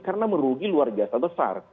karena merugi luar biasa besar